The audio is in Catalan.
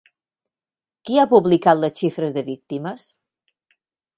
Qui ha publicat les xifres de víctimes?